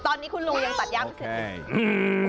ตอนนี้คุณลูกยังตัดยาว